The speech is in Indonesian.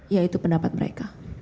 ya itu pendapat mereka